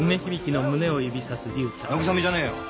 慰めじゃねえよ。